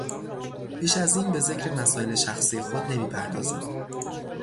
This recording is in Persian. بیش از این به ذکر مسائل شخصی خود نمیپردازم.